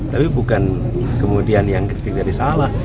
tapi bukan kemudian yang kritik dari salah